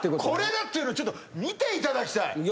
これだっていうのちょっと見ていただきたい。